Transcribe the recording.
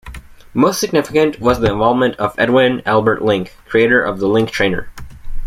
Most significant was the involvement of Edwin Albert Link, creator of the Link Trainer.